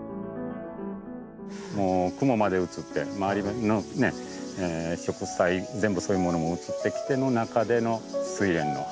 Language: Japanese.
もう雲まで映って周りのね植栽全部そういうものも映ってきての中でのスイレンの花。